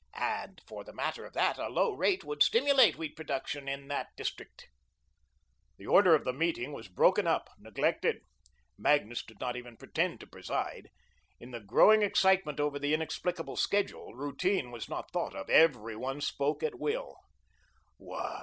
"And for the matter of that, a low rate would stimulate wheat production in that district." The order of the meeting was broken up, neglected; Magnus did not even pretend to preside. In the growing excitement over the inexplicable schedule, routine was not thought of. Every one spoke at will.